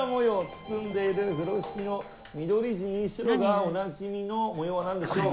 包んでいる風呂敷の緑地に白がおなじみの模様はなんでしょう？